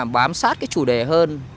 bám sát cái chủ đề hơn